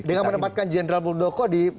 dengan menempatkan jenderal muldoko